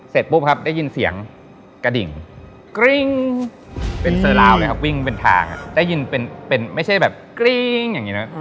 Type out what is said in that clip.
เสร็จปุ๊บครับได้ยินเสียงกระดิ่ง